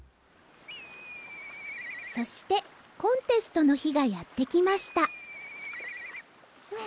そしてコンテストのひがやってきましたふ！